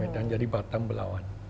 dan jadi batam belawan